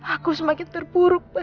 aku semakin terpuruk mas